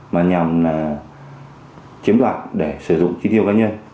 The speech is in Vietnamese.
mà nhằm chiếm đoạt để sử dụng chi tiêu cá nhân